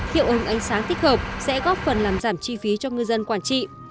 hiệu ứng ánh sáng thích hợp sẽ góp phần làm giảm chi phí cho ngư dân quảng trị